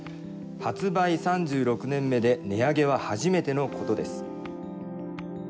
発売３６年目で値上げは初めてのことです。